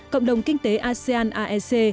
cộng đồng kinh tế asean aec